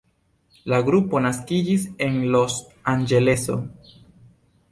La grupo naskiĝis en Los Anĝeleso.